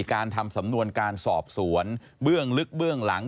การทำสำนวนการสอบสวนเบื้องลึกเบื้องหลัง